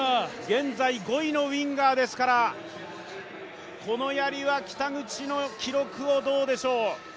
現在５位のウィンガーですからこのやりは北口の記録をどうでしょう。